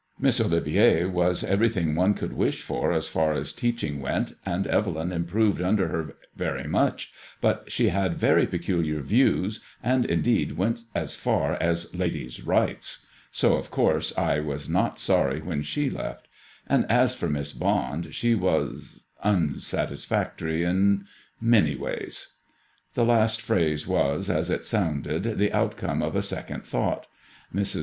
Miss Olivier was everything one could wish as far as teaching went, and Evelyn improved under her very much, but she had very peculiar views, and indeed went as far as ladies' rights; so of course I was not sorry when she left ; and as for Miss Bond, she was — unsatisfactory in many ways." The last phrase was, as it sounded, the outcome of a second thought. Mrs.